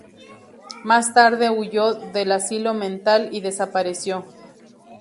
Más tarde huyó del asilo mental, y desapareció.